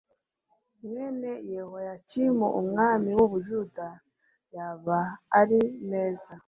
mwene yehoyakimu umwami w u buyuda yaba ari meza